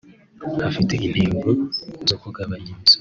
Afite intego zo kugabanya imisoro